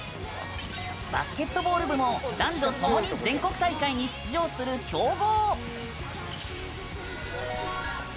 バスケットボール部も男女ともに全国大会に出場する強豪！